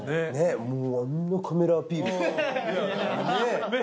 もうあんなカメラアピール。ねぇ？